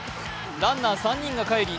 ランナー３人が帰り